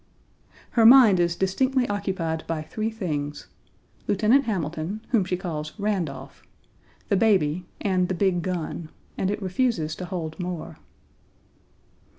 " Her mind is distinctly occupied by three things: Lieutenant Hamilton, whom she calls "Randolph," the baby, and the big gun, and it refuses to hold more.